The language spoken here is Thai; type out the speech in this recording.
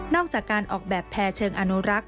อกจากการออกแบบแพร่เชิงอนุรักษ์